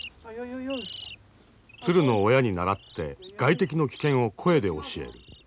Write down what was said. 鶴の親に倣って外敵の危険を声で教える。